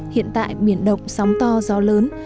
hiện tại miền động sóng to gió lớn